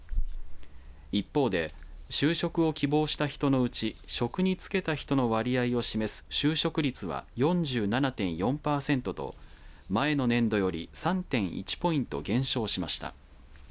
一方で、就職を希望した人のうち職に就けた人の割合を示す就職率は４７．４パーセントと前の年度より３．１ポイント減少しました。